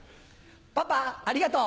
パパありがとう。